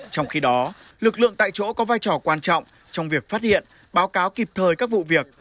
trong khi đó lực lượng tại chỗ có vai trò quan trọng trong việc phát hiện báo cáo kịp thời các vụ việc